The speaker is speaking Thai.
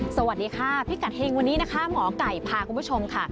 สวัสดีค่ะพิกัดเฮงวันนี้นะคะหมอไก่พาคุณผู้ชมค่ะ